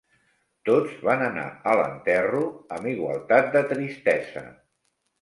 Tots van anar a l'enterro amb igualtat de tristesa